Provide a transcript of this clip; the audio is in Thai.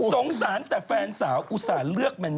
สงสารแต่แฟนสาวอุตส่าห์เลือกแมน